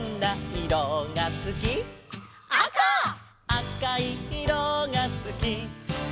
「あかいいろがすき」